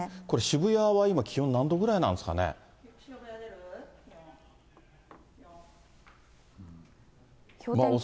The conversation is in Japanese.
これ、渋谷は今、気温何度ぐらいなんでしょうね。